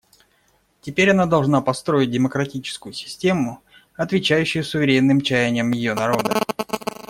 Теперь она должна построить демократическую систему, отвечающую суверенным чаяниям ее народа.